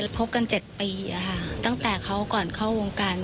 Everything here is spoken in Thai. พบกัน๗ปีตั้งแต่เขาก่อนเข้าวงการ